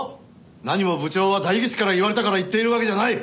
何も部長は代議士から言われたから言っているわけじゃない！